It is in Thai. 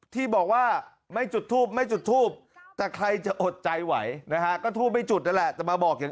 ที่บอกว่าไม่จุดทูบแต่ใครจะอดใจไหวนะฮะก็ทูบไม่จุดนั่นแหละ